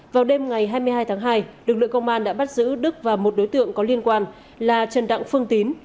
vào đêm ngày hai mươi hai tháng hai lực lượng công an đã bắt giữ đức và một đối tượng có liên quan là trần đặng phương tín